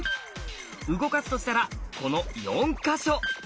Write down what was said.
動かすとしたらこの４か所。